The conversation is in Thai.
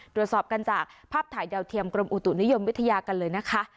ตรวจสอบกันจากภาพถ่ายดาวเทียมกรมอุตุนิยมวิทยากันเลยนะคะ